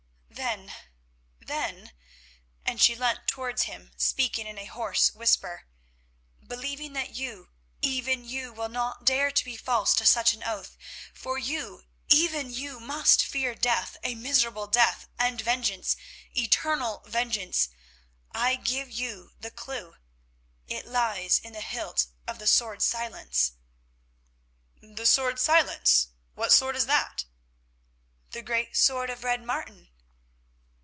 "Then—then," and she leant towards him, speaking in a hoarse whisper, "believing that you, even you, will not dare to be false to such an oath, for you, even you, must fear death, a miserable death, and vengeance, eternal vengeance, I give you the clue: It lies in the hilt of the sword Silence." "The sword Silence? What sword is that?" "The great sword of Red Martin."